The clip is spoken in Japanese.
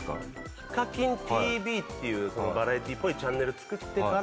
『ＨｉｋａｋｉｎＴＶ』っていうバラエティーっぽいチャンネル作ってから。